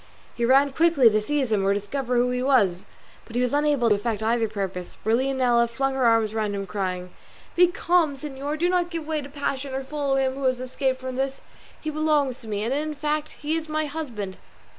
He ran quickly to seize him or discover who he was, but he was unable to effect either purpose, for Leonela flung her arms round him crying, "Be calm, señor; do not give way to passion or follow him who has escaped from this; he belongs to me, and in fact he is my husband."